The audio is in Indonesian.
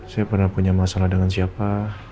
saya pernah punya masalah dengan siapa